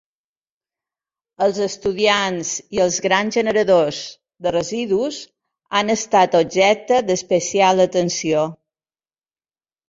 Els estudiants i els grans generadors de residus han estat objecte d’especial atenció.